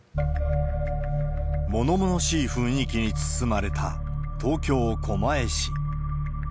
ものものしい雰囲気に包まれた東京・狛江市。